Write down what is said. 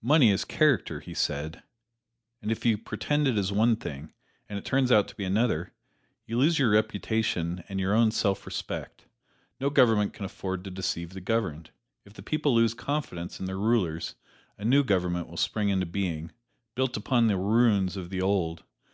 "Money is character," he said, "and if you pretend it is one thing, and it turns out to be another, you lose your reputation and your own self respect. No government can afford to deceive the governed. If the people lose confidence in their rulers, a new government will spring into being, built upon the ruins of the old.